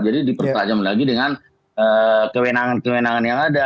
jadi dipertajam lagi dengan kewenangan kewenangan yang ada